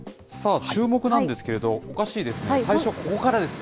チューモク！なんですけれど、おかしいですね、最初、ここからです。